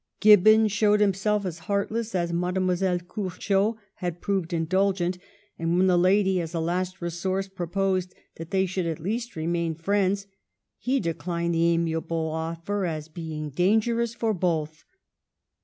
Gibbon showed himself as heartless as Mademoiselle Curchod had proved indulgent, and when the lady, as a last resource, proposed that they should at least remain friends, he declined the amiable offer as being " dangerous for both."